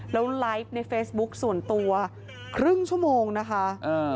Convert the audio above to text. แล้วไลฟ์ในเฟซบุ๊คส่วนตัวครึ่งชั่วโมงนะคะ